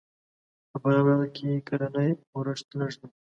په فراه ولایت کښې کلنی اورښت لږ دی.